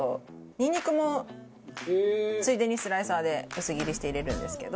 「ニンニクもついでにスライサーで薄切りして入れるんですけど」